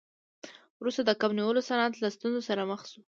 وروسته د کب نیولو صنعت له ستونزو سره مخ شو.